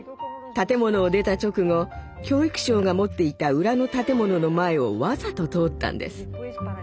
建物を出た直後教育省が持っていた裏の建物の前をわざと通ったんです。